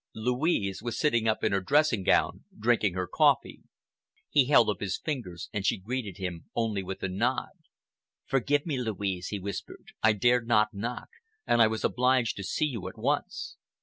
Louise was sitting up in her dressing gown, drinking her coffee. He held up his finger and she greeted him only with a nod. "Forgive me, Louise," he whispered, "I dared not knock, and I was obliged to see you at once."